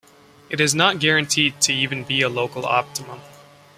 It is not guaranteed to even be a local optimum.